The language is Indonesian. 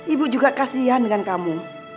ibu juga kasihan dengan kamu